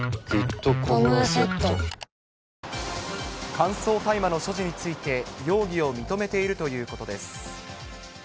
乾燥大麻の所持について、容疑を認めているということです。